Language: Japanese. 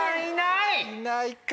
いないか。